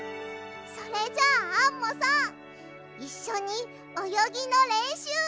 それじゃあアンモさんいっしょにおよぎのれんしゅうしてくれる？